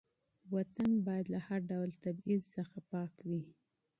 وطن باید له هر ډول تبعیض څخه پاک وي.